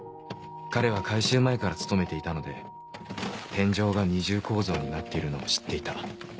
彼は改修前から勤めていたので天井が二重構造になっているのを知っていた。